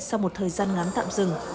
sau một thời gian ngắn tạm dừng